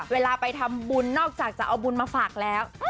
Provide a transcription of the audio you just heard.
เวลาไปทำบุญนอกจากจะเอาบุญมาฝากแล้ว